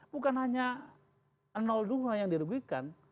bukan hanya dua yang dirugikan